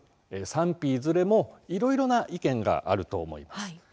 賛否いずれもいろいろな意見があると思います。